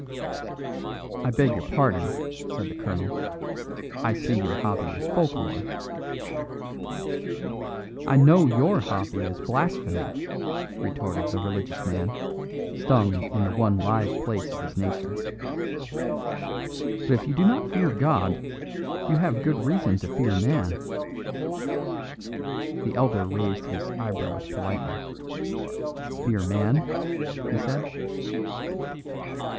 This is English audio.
"I beg your pardon," said the colonel; "I see your hobby is folk lore." "I know your hobby is blasphemy," retorted the religious man, stung in the one live place of his nature. "But if you do not fear God, you have good reason to fear man." The elder raised his eyebrows politely. "Fear man?" he said.